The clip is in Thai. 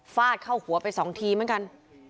ฟาดเข้าหัวไปสองทีเหมือนกัน